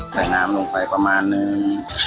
แต่น้ำลงไปประมาณนึง